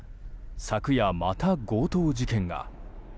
昨夜、また強盗事件が。